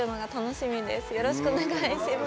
よろしくお願いします。